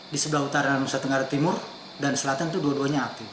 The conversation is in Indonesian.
di sebelah utara nusa tenggara timur dan selatan itu dua duanya aktif